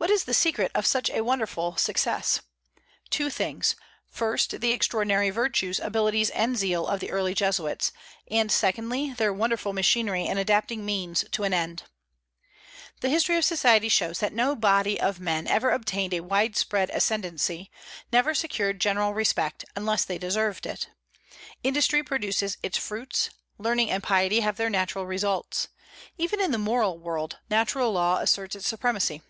What is the secret of such a wonderful success? Two things: first, the extraordinary virtues, abilities, and zeal of the early Jesuits; and, secondly, their wonderful machinery in adapting means to an end. The history of society shows that no body of men ever obtained a wide spread ascendancy, never secured general respect, unless they deserved it. Industry produces its fruits; learning and piety have their natural results. Even in the moral world natural law asserts its supremacy.